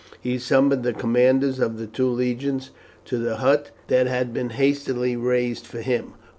He summoned the commanders of the two legions to the hut that had been hastily raised for him.